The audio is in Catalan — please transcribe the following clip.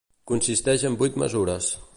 Consisteix de vint mesures.